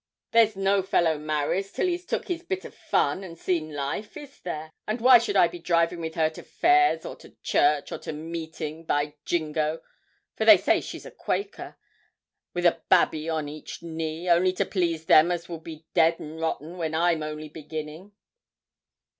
There's no fellow marries till he's took his bit o' fun, and seen life is there! And why should I be driving with her to fairs, or to church, or to meeting, by jingo! for they say she's a Quaker with a babby on each knee, only to please them as will be dead and rotten when I'm only beginning?'